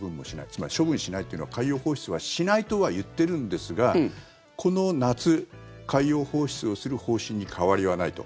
つまり処分しないというのは海洋放出はしないとは言ってるんですがこの夏、海洋放出をする方針に変わりはないと。